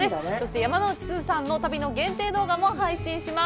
山之内すずさんの旅の限定動画も配信します！